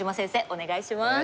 お願いします。